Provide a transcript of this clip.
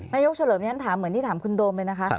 นายกเฉลิบนี้ถามเหมือนที่ถามคุณโดมไปนะคะ